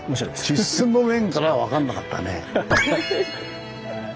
地質の面からは分かんなかったね。